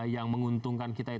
yang menguntungkan kita